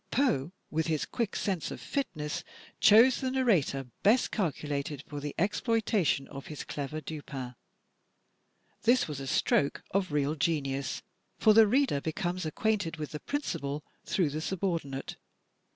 Poe, with his quick sense of fitness, chose the narrator best calculated for the exploitation of his clever Dupin. This was a stroke of real genius, for the reader becomes acquainted with the principal through the subordinate.